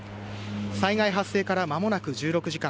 災害発生から、まもなく１６時間。